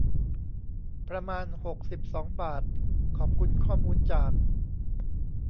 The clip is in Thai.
ประมาณ หกสิบสอง บาท ขอบคุณข้อมูลจาก